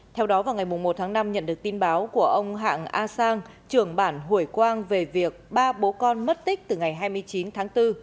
theo đó vào ngày một tháng năm nhận được tin báo của ông hạng a sang trưởng bản hủy quang về việc ba bố con mất tích từ ngày hai mươi chín tháng bốn